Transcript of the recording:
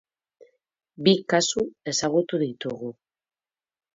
Bi kasu ezagutu ditugu.